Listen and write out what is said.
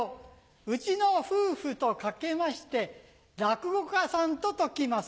うちの夫婦と掛けまして落語家さんと解きます。